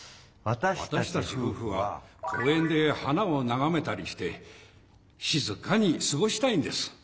わたしたちふうふは公園で花をながめたりして静かに過ごしたいんです。